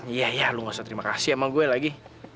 iya ya lu gak usah terima kasih sama gue lagi